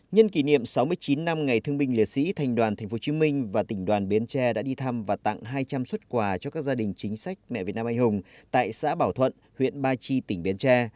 nhân kỷ niệm sáu mươi chín năm ngày thương binh liệt sĩ thành đoàn tp hcm và tỉnh đoàn bến tre đã đi thăm và tặng hai trăm linh xuất quà cho các gia đình chính sách mẹ việt nam anh hùng tại xã bảo thuận huyện ba chi tỉnh bến tre